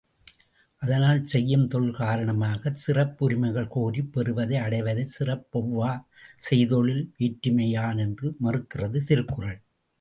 அதனால் செய்யும் தொழில் காரணமாகச் சிறப்புரிமைகள் கோரிப் பெறுவதை அடைவதை சிறப்பொவ்வா செய்தொழில் வேற்றுமையான் என்று மறுக்கிறது திருக்குறள்.